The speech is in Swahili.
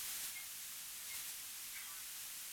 Ugonjwa huu huambukizwa kupitia mate